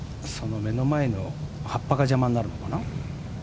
目の前の葉っぱが邪魔になるのかな？